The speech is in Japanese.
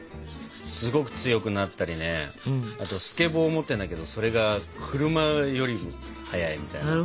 すごく強くなったりねあとスケボー持ってんだけどそれが車よりも速いみたいな。